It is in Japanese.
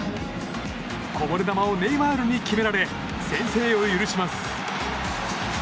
こぼれ球をネイマールに決められ先制を許します。